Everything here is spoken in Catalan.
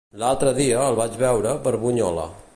L'altre dia el vaig veure per Bunyola.